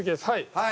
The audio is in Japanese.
はい。